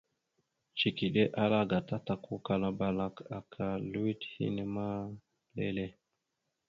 Cikiɗe ala gata takukala balak aka lʉwet hine ma lele.